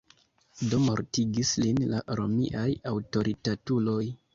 Do mortigis lin la romiaj aŭtoritatuloj.